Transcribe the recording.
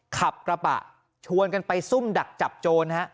ขับกระบะชวนกันไปซุ่มดักจับโจรฮะ